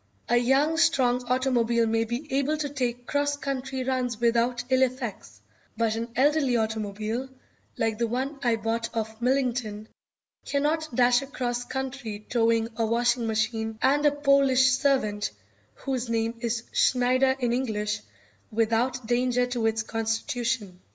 A young, strong automobile may be able to take cross country runs without ill effects, but an elderly automobile, like the one I bought of Millington, cannot dash across country towing a washing machine and a Polish servant, whose name is Schneider in English, without danger to its constitution.